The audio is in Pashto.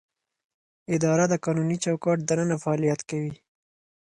اداره د قانوني چوکاټ دننه فعالیت کوي.